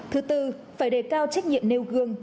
thứ tư phải đề cao trách nhiệm nêu gương